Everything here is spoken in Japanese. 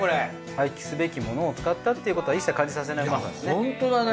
廃棄すべきものを使ったっていうことは一切感じさせないうまさですね。